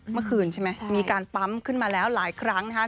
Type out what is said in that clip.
เมื่อคืนใช่ไหมมีการปั๊มขึ้นมาแล้วหลายครั้งนะครับ